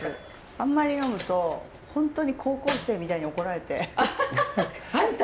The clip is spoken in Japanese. あんまり呑むと本当に高校生みたいに怒られて「あんた！